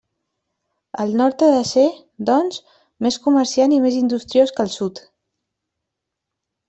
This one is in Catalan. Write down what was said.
El Nord ha de ser, doncs, més comerciant i més industriós que el Sud.